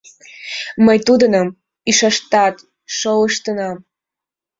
Мый тудыным ӱмаштат шолыштынам».